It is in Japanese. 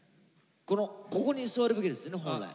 ここに座るべきですよね本来。